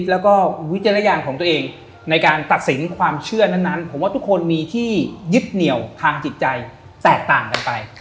แล้วก็วิจารณญาณของตัวเองในการตัดสินความเชื่อนั้นผมว่าทุกคนมีที่ยึดเหนียวทางจิตใจแตกต่างกันไป